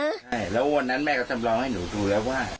ใช่แล้ววันนั้นแม่ก็จำลองให้หนูดูแล้วว่า